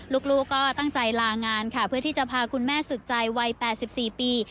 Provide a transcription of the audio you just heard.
ลูกก็ตั้งใจลางานค่ะเพื่อที่จะพาคุณแม่สุดใจวัย๘๔ปี